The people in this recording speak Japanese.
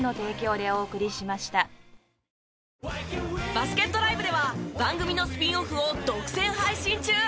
バスケットＬＩＶＥでは番組のスピンオフを独占配信中！